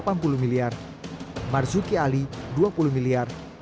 pdi perjuangan delapan puluh miliar marzuki ali dua puluh miliar